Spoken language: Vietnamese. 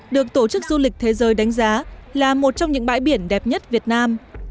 được tổ chức du lịch thế giới đánh giá là một trong những bãi biển đẹp nhất việt nam